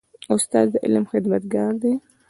استاد د علم خدمتګار دی.